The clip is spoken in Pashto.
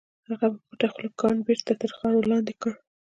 هغه په پټه خوله کان بېرته تر خاورو لاندې کړ.